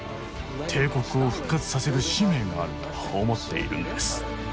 帝国を復活させる使命があると思っているんです。